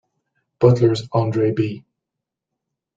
Butler's Andre B.